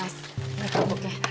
mas ini kampungnya